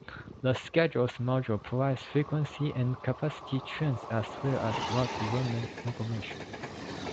The schedules module provides frequency and capacity trends as well as route development information.